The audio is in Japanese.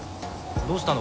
どうしたの？